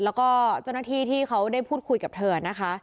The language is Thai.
แล้วก็เจ้าหน้าที่ที่เขาได้พูดคุยกับเธอนะคะ